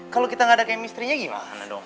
kalau kita gak ada kemisterinya gimana dong